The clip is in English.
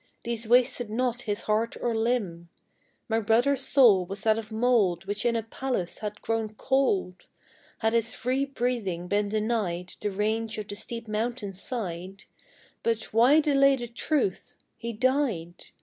These wasted not his heart or limb; My brother's soul was of that mould Which in a palace had grown cold, Had his free breathing been denied The range of the steep mountain's side; But why delay the truth? he died.